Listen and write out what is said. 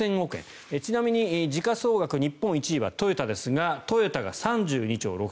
ちなみに時価総額日本１位はトヨタですがトヨタが３２兆６０００億円。